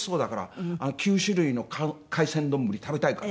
「９種類の海鮮丼食べたいから」